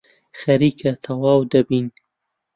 خەریکە تەواو دەبین.